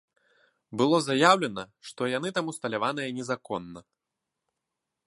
Было заяўлена, што яны там усталяваныя незаконна.